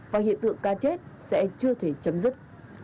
và hiện tượng cá chết sẽ chưa thể chấm dứt